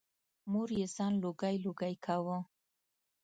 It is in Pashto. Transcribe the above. مور یې ځان لوګی لوګی کاوه.